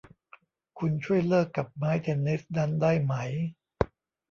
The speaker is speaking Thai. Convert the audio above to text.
คุณช่วยเลิกกับไม้เทนนิสนั้นได้ไหม !